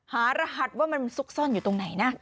หารหัสว่ามันซุกซ่อนอยู่ตรงไหนนะ